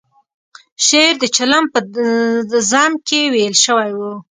شعر د چلم په ذم کې ویل شوی و.